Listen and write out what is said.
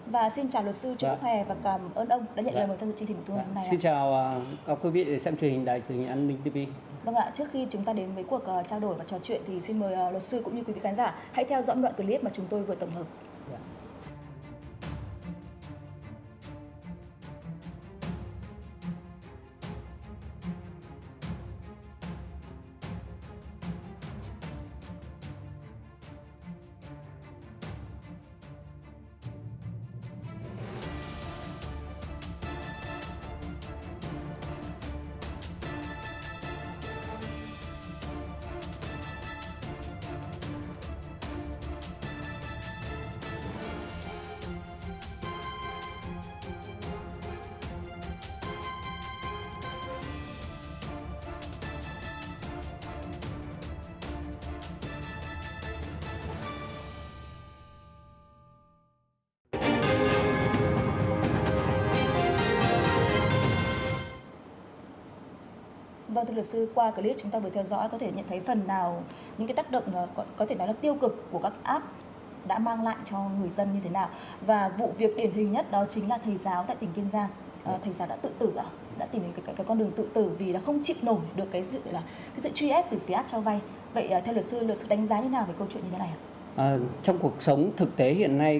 và để trả lời cho câu hỏi này trong chương trình bộ góc nhìn chuyên gia ngày hôm nay